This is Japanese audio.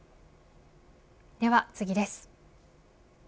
では次です。